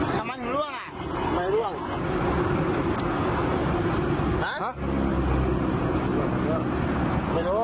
คุณมาคนเดียวอะ